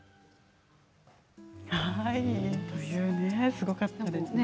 すごかったですね。